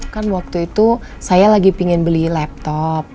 kan waktu itu saya lagi pingin beli laptop